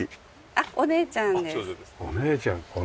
あっお姉ちゃんです。